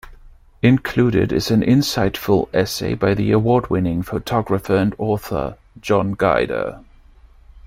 Included is an insightful essay by the award winning photographer and author, John Guider.